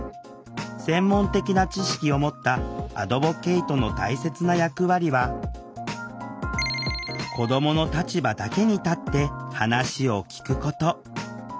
専門的な知識を持ったアドボケイトの大切な役割は子どもの立場だけに立って話を聴くこと。